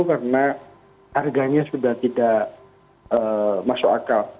karena harganya sudah tidak masuk akal